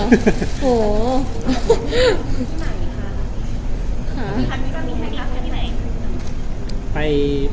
อันนี้ก็มีค่ะอันนี้ไหน